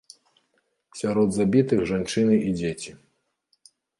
Сярод забітых жанчыны і дзеці.